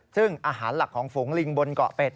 ซึ่งอาหารหลักของฝูงลิงบนเกาะเป็ด